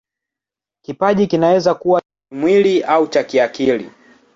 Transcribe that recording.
Kipaji kinaweza kuwa cha kimwili au cha kiakili.